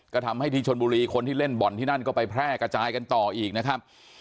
ก็ทำให้ที่ชนบุรีคนที่เล่นบ่อนที่นั่นก็ไปแพร่กระจายกันต่ออีกนะครับ